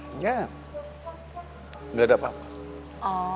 enggak ada apa apa